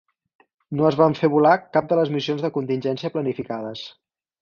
No es van fer volar cap de les missions de contingència planificades.